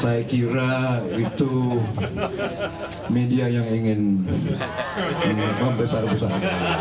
saya kira itu media yang ingin membesar besar